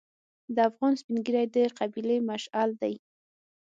د افغان سپین ږیری د قبیلې مشعل دی.